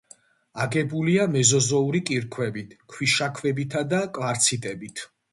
აგებულია მეზოზოური კირქვებით, ქვიშაქვებითა და კვარციტებით.